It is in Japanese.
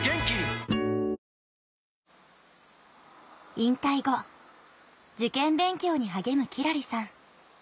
・引退後受験勉強に励むきらりさん